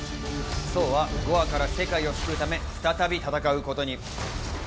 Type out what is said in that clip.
ソーはゴアから世界を救うため、再び戦うことに。